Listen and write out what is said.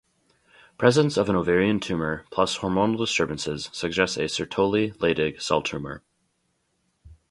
Presence of an ovarian tumour plus hormonal disturbances suggests a Sertoli-Leydig cell tumour.